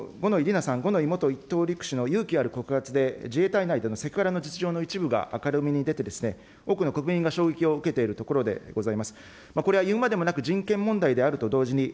五ノ井里奈さん、五ノ井元１等陸士の勇気ある告発で、自衛隊内でのセクハラの一部が明るみに出て、多くの国民が衝撃を受けているところでございます。